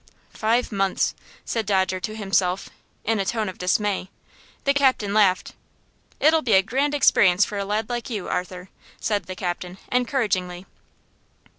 "Five months," said Dodger to himself, in a tone of dismay. The captain laughed. "It'll be a grand experience for a lad like you, Arthur!" said the captain, encouragingly.